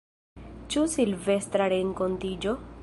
Ĉu Silvestra renkontiĝo?